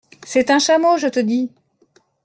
C’est un chameau, je te dis !